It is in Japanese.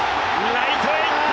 ライトへ行った。